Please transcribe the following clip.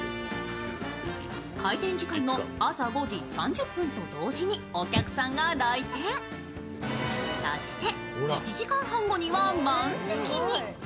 開店時間の朝５時３０分と同時にお客さんが来年そして、１時間半後には満席に。